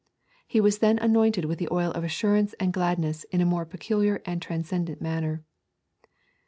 He was then anointed with the oil of assurance and gladness in a more peculiar and transcendent manner.'